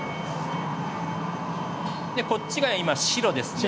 こっちが今白ですね。